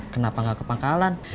kenapa gak ke pangkalan